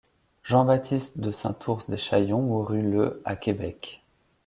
Jean-Baptiste de Saint-Ours Deschaillons mourut le à Québec.